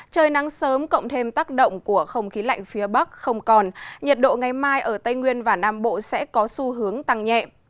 trời nắng sớm cộng thêm tác động của không khí lạnh phía bắc không còn nhiệt độ ngày mai ở tây nguyên và nam bộ sẽ có xu hướng tăng nhẹ